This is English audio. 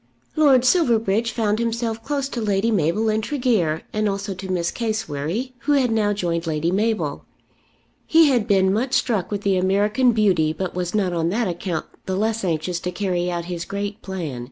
Lord Silverbridge found himself close to Lady Mabel and Tregear, and also to Miss Cassewary, who had now joined Lady Mabel. He had been much struck with the American beauty, but was not on that account the less anxious to carry out his great plan.